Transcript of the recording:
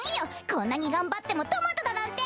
こんなにがんばってもトマトだなんて！